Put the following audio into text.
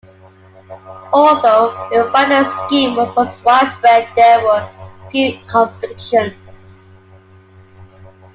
Although the fraudulent scheme was widespread, there were few convictions.